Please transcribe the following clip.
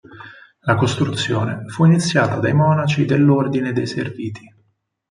La costruzione fu iniziata dai monaci dell'Ordine dei Serviti.